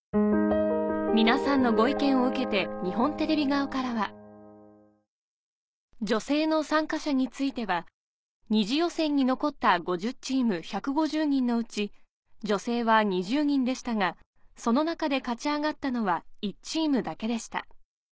皆さんのご意見を受けて日本テレビ側からは「女性の参加者については２次予選に残った５０チーム１５０人のうち女性は２０人でしたがその中で勝ち上がったのは１チームだけでした。